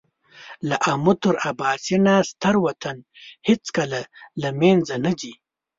له آمو تر اباسینه ستر وطن هېڅکله له مېنځه نه ځي.